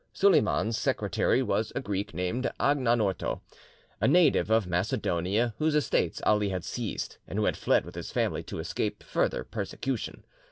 Suleyman's secretary was a Greek called Anagnorto, a native of Macedonia, whose estates Ali had seized, and who had fled with his family to escape further persecution.